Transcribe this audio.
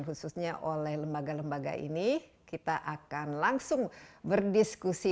khususnya oleh lembaga lembaga ini kita akan langsung berdiskusi